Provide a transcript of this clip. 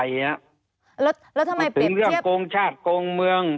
ถึงเรื่องโกงชาติโกงเมือง